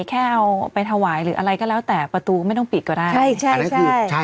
แค่เอาไปถวายหรืออะไรก็แล้วแต่ประตูไม่ต้องปิดก็ได้ใช่ใช่